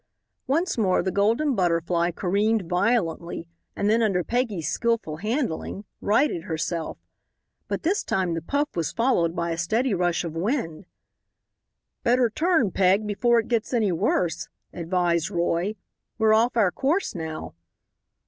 Once more the Golden Butterfly careened violently, and then, under Peggy's skillful handling, righted herself. But this time the puff was followed by a steady rush of wind. "Better turn, Peg, before it gets any worse," advised Roy; "we're off our course now."